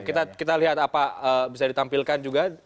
kita lihat apa bisa ditampilkan juga